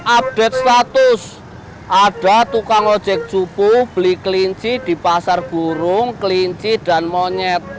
update status ada tukang ojek jupu beli kelinci di pasar burung kelinci dan monyet